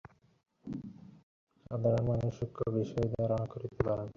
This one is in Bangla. সাভার ট্র্যাজেডিতে নিহত ব্যক্তিরা জানিয়ে গেছেন আর নয়, আর কখনোই নয়।